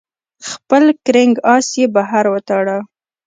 خپل کرنګ آس یې بهر وتاړه.